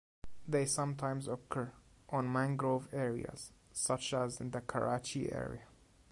They sometimes occur on mangrove areas such as in the Karachi area.